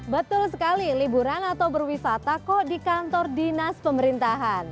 betul sekali liburan atau berwisata kok di kantor dinas pemerintahan